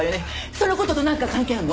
その事となんか関係あるの？